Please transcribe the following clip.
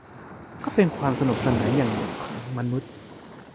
ก็เป็นความสนุนสนานอย่างหนึ่งของมนุษย์